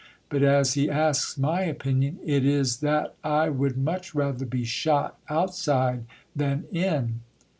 But as he asks my opinion, it is that I would much rather be shot outside than in.